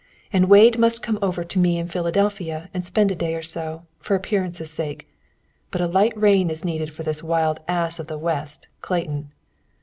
"And Wade must come over to me at Philadelphia and spend a day or so, for appearance's sake. But a light rein is needed for this wild ass of the West, Clayton.